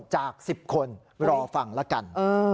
จาก๑๐คนรอฟังละกัน